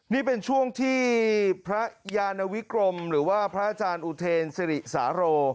นี่เป็นช่วงที่พระยานวิกรมหรือว่าพระอาจารย์อุเทนสิริสาโร